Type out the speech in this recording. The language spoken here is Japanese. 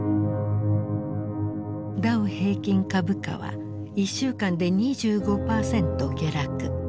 ダウ平均株価は１週間で２５％下落。